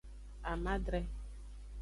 Amadre.